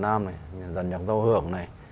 nhà dân nhạc dâu hưởng này